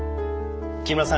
木村さん